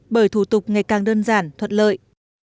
bởi thủ tục ngày càng đơn giản thuật lợi